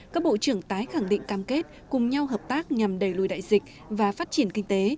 các bộ trưởng tái khẳng định cam kết cùng nhau hợp tác nhằm đẩy lùi đại dịch và phát triển kinh tế